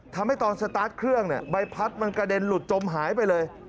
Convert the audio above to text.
ทำให้ตอนสตาร์ทเครื่องใบพัดมันกระเด็นหลุดจมหายไปเลย